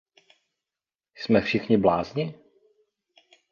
Jsme všichni blázni?